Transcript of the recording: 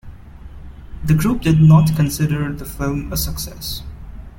The group did not consider the film a success.